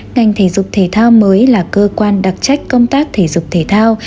ngành thể dục thể thao mới là cơ quan đặc trách công tác thể dục thể thao